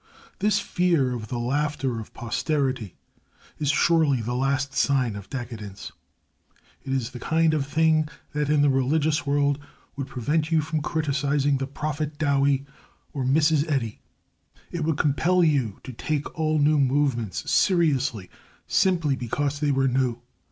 This fear of the laughter of posterity is surely the last sign of decadence. It is the kind of thing that, in the religious world, would prevent you from criticising the Prophet Dowie or Mrs Eddy. It would compel you to take all new movements seriously simply because they were new.